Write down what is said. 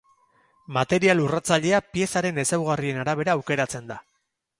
Material urratzailea piezaren ezaugarrien arabera aukeratzen da.